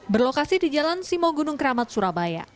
berlokasi di jalan simogunung keramat surabaya